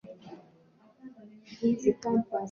Wana pamba ndefu, zile za dume ndefu kuliko zile za jike.